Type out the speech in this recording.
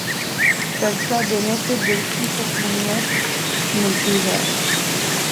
صدقہ دینے سے دل کی سکونیت ملتی ہے۔